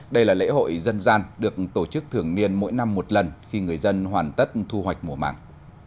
đây là lễ hội dân gian được tổ chức thường niên mỗi năm một lần khi người dân hoàn tất thu hoạch mùa mạng